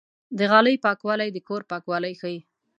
د غالۍ پاکوالی د کور پاکوالی ښيي.